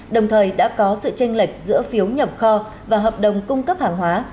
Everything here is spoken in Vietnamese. đồng thời đã có sự tranh lệch giữa phiếu nhập kho và hợp đồng cung cấp hàng hóa